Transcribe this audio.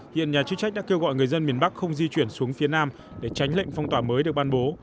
hiện nhà chức trách đã kêu gọi người dân miền bắc không di chuyển xuống phía nam để tránh lệnh phong tỏa mới được ban bố